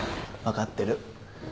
分かってる。